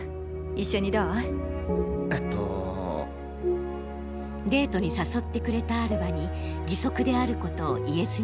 デートに誘ってくれたアルバに義足であることを言えずにいました。